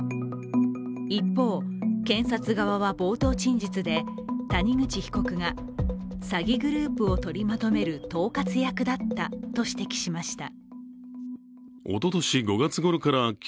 一方、検察側は冒頭陳述で谷口被告が詐欺グループをとりまとめる統括役だったと指摘しました。